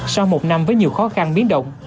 sau một năm với nhiều khó khăn biến động